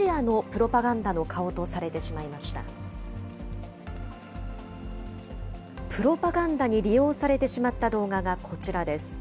プロパガンダに利用されてしまった動画がこちらです。